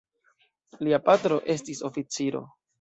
Lia patro estis oficiro.